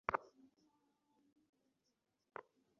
কোন প্রাকৃতিক দুর্যোগের কারণেই এমন হচ্ছে এটা তো নিশ্চিত!